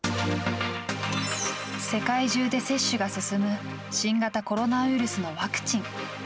世界中で接種が進む新型コロナウイルスのワクチン。